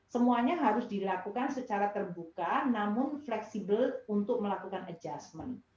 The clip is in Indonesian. semuanya harus dilakukan secara terbuka namun fleksibel untuk melakukan adjustment